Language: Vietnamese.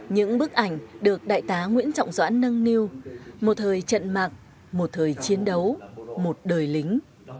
những bức ảnh được đại tá nguyễn trọng doãn nâng niu một thời trận mạc một thời chiến đấu một đời lính